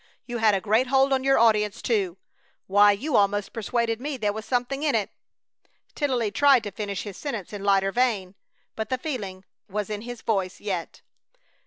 You had a great hold on your audience, too! Why, you almost persuaded me there was something in it!" Tennelly tried to finish his sentence in lighter vein, but the feeling was in his voice yet.